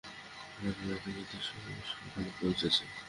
গান গাইতে গাইতে ও সেইখানে পৌঁচেছে।